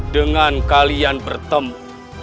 dengan kalian bertemu